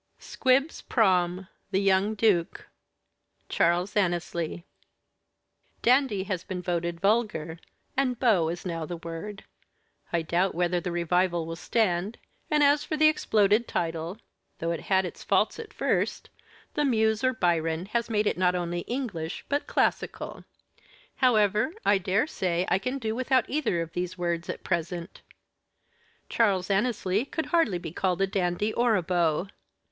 SQUIBS PROM 'THE YOUNG DUKE' CHARLES ANNESLEY Dandy has been voted vulgar, and beau is now the word. I doubt whether the revival will stand; and as for the exploded title, though it had its faults at first, the muse or Byron has made it not only English, but classical. However, I dare say I can do without either of these words at present. Charles Annesley could hardly be called a dandy or a beau.